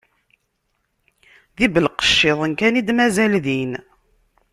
D ibelqecciḍen kan i d-mazal din.